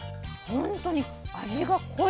本当に味が濃い。